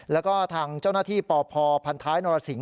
แล้วก็ทางเจ้าหน้าที่ปพพันท้ายนรสิงห